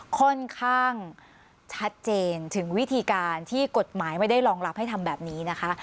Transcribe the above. ค่อนข้างชัดเจนถึงวิธีการที่กฎหมายไม่ได้รองรับให้ทำแบบนี้นะคะ